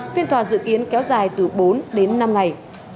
phiên tòa dự kiến kéo dài từ bốn đến năm ngày